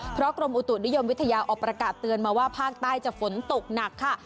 เพราะกรมอุตุนิยมวิทยาออกประกาศเตือนมาว่าภาคใต้จะฝนตกหนักค่ะ